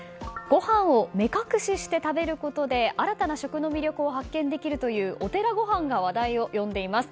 ごはんを目隠しして食べることで新たな食の魅力を発見できるというお寺ごはんが話題を呼んでいます。